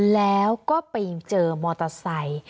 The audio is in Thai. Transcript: แล้วก็ไปเจอมอเตอร์ไซค์